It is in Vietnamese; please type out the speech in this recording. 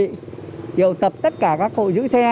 triệu tập tất cả các hội giữ xe